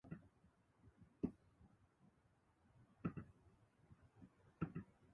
新潟県聖籠町